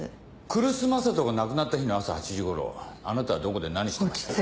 来栖正人が亡くなった日の朝８時頃あなたはどこで何してましたか？